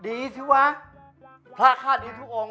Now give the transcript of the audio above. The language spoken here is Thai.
ดีสิวะพระข้าดีทุกองค์